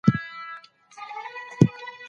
هغه په خپل نامې او زغم پېژندل کېدی.